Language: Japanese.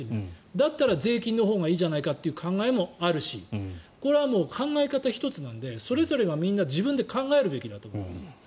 だったら税金のほうがいいじゃないかという考えもあるしこれは考え方一つなのでそれぞれがみんな自分で考えるべきだと思います。